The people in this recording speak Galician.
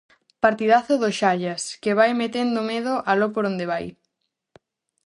Partidazo do Xallas, que vai metendo medo aló por onde vai.